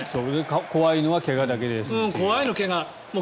怖いのは怪我だけですという。